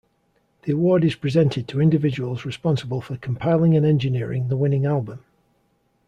The award is presented to individuals responsible for compiling and engineering the winning album.